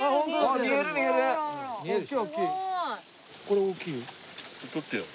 これ大きいよ。